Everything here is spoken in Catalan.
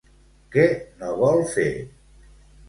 Què no vol fer?